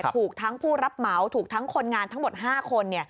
ถูกทั้งผู้รับเหมาถูกทั้งคนงานทั้งหมด๕คน